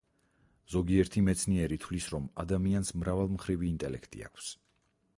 ზოგიერთი მეცნიერი თვლის, რომ ადამიანს მრავალმხრივი ინტელექტი აქვს.